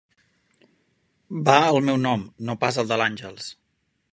Va al meu nom, no pas al de l'Àngels.